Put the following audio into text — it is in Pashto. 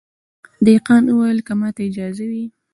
دهقان وویل که ماته اجازه وي